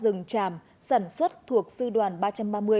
và khoảng bốn trăm linh hectare rừng tràm sản xuất thuộc sư lê văn tuyến